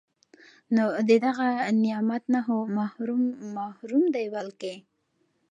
نو د دغه نعمت نه خو محروم محروم دی بلکي